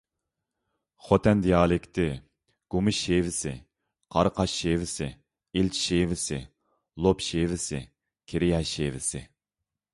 خوتەن دىئالېكتى: گۇما شېۋىسى، قاراقاش شېۋىسى، ئىلچى شېۋىسى، لوپ شېۋىسى، كىرىيە شېۋىسى.